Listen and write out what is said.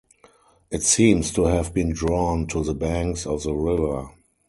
It seems to have been drawn to the banks of the river.